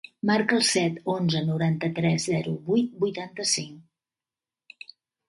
Marca el set, onze, noranta-tres, zero, vuit, vuitanta-cinc.